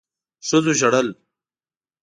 ښځو ژړل